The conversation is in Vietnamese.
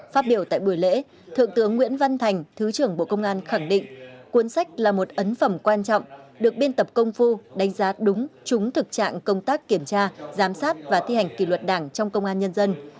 phát biểu tại buổi lễ thượng tướng nguyễn văn thành thứ trưởng bộ công an khẳng định cuốn sách là một ấn phẩm quan trọng được biên tập công phu đánh giá đúng trúng thực trạng công tác kiểm tra giám sát và thi hành kỷ luật đảng trong công an nhân dân